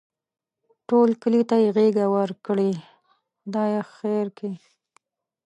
ټول کلي ته یې غېږه ورکړې؛ خدای خیر کړي.